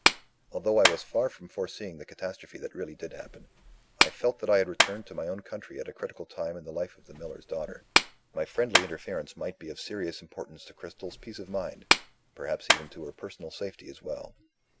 Although I was far from foreseeing the catastrophe that really did happen, I felt that I had returned to my own country at a critical time in the life of the miller's daughter. My friendly interference might be of serious importance to Cristel's peace of mind perhaps even to her personal safety as well.